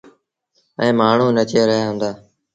ائيٚݩ مآڻهوٚݩ نچي رهيآ هُݩدآ۔